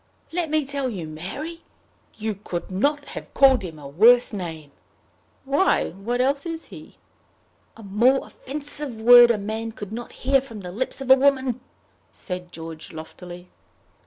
"Let me tell you, Mary, you could not have called him a worse name." "Why, what else is he?" "A more offensive word a man could not hear from the lips of a woman," said George loftily.